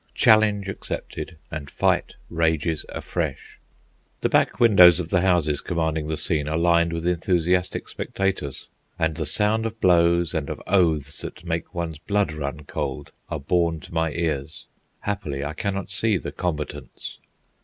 challenge accepted and fight rages afresh. The back windows of the houses commanding the scene are lined with enthusiastic spectators, and the sound of blows, and of oaths that make one's blood run cold, are borne to my ears. Happily, I cannot see the combatants.